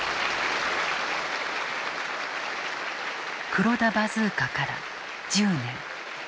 黒田バズーカから１０年。